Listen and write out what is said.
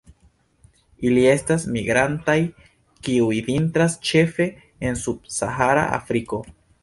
Ili estas migrantaj, kiuj vintras ĉefe en subsahara Afriko.